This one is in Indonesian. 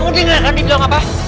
kau denger kan dia bilang apa